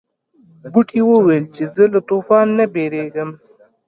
بوټي ویل چې زه له طوفان نه یریږم.